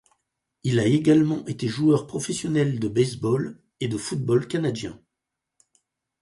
Il a également été joueur professionnel de baseball et de football canadien.